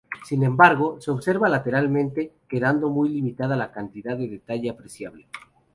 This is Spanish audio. Sin embargo, se observa lateralmente, quedando muy limitada la cantidad de detalle apreciable.